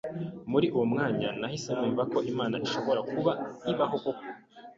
muri uwo mwanya nahise numva ko Imana ishobora kuba ibaho koko